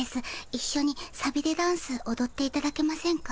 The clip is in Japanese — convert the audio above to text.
いっしょにさびれダンスおどっていただけませんか？